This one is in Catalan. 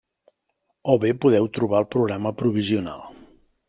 O bé podeu trobar el programa provisional.